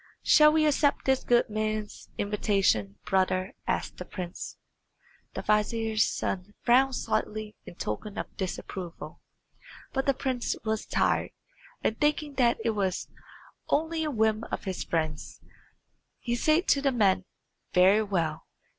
"Shall we accept this good man's invitation, brother?" asked the prince. The vizier's son frowned slightly in token of disapproval; but the prince was tired, and thinking that it was only a whim of his friend's, he said to the men, "Very well.